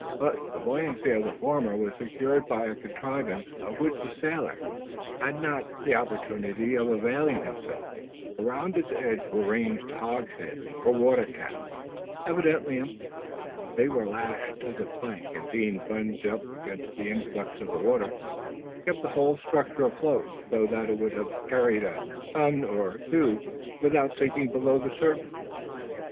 But the buoyancy of the former was secured by a contrivance of which the sailor had not had the opportunity of availing himself. Around its edge were ranged hogsheads or water casks, evidently empty. They were lashed to the plank; and being bunged up against the influx of the water, kept the whole structure afloat, so that it would have carried a ton or two without sinking below the surface.